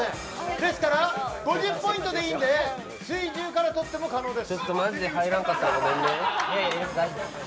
ですから５０ポイントでもいいので水１０チームから取っても大丈夫です。